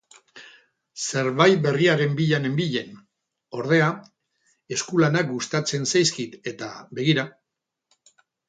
Zerbai berriaren bila nenbilen, ordea, eskulanak gustatzen zaizkit eta begira!